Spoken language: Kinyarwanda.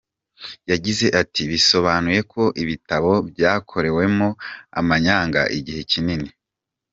Yagize ati “Bisobanuye ko ibitabo byakorewemo amanyanga igihe kinini.